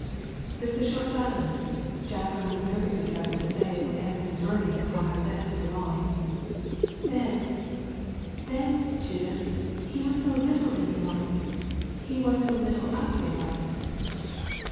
There was a short silence. Jacqueline was nerving herself to say what had been burning upon her lips for long. "Then then, Judith, he was so little in your life he was so little of your life."